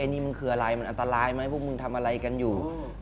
นี่มึงคืออะไรมันอันตรายไหมพวกมึงทำอะไรกันอยู่